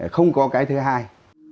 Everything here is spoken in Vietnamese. không có cái thứ hai